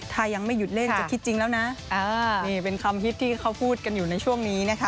ถ้ายังไม่หยุดเล่นจะคิดจริงแล้วนะนี่เป็นคำฮิตที่เขาพูดกันอยู่ในช่วงนี้นะคะ